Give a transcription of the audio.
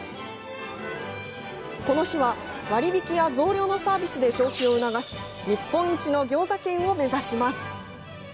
この日は割引や増量のサービスで消費を促し日本一のギョーザ県を目指します。